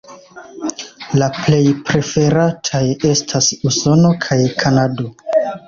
La plej preferataj estas Usono kaj Kanado.